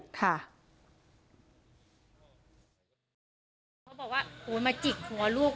ลองทุบอย่างนี้มันเป็นไปไหมได้ไม่เคยเห็นเลยผมชำเลย